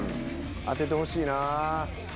当ててほしいな。